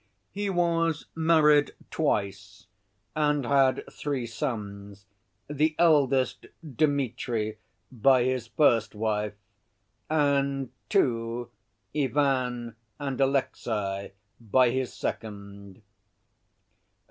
He was married twice, and had three sons, the eldest, Dmitri, by his first wife, and two, Ivan and Alexey, by his second.